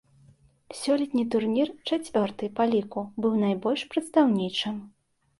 Сёлетні турнір, чацвёрты па ліку, быў найбольш прадстаўнічым.